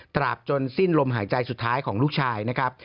ตราบจนสิ้นลมหายใจสุดท้ายของลูกชายนะครับ